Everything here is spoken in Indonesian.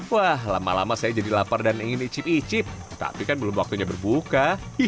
wah lama lama saya jadi lapar dan ingin icip icip tapi kan belum waktunya berbuka